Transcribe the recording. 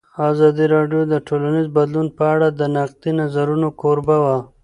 ازادي راډیو د ټولنیز بدلون په اړه د نقدي نظرونو کوربه وه.